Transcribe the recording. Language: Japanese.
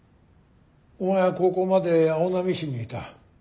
お前は高校まで青波市にいた。